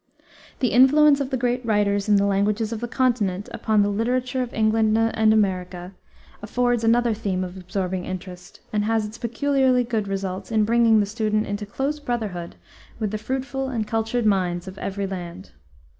The influence of the great writers in the languages of the Continent upon the literature of England and America affords another theme of absorbing interest, and has its peculiarly good results in bringing the student into close brotherhood with the fruitful and cultured minds of every land.